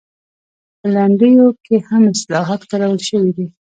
په لنډیو کې هم اصطلاحات کارول شوي دي